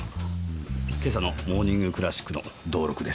今朝の『モーニング・クラシック』の同録です。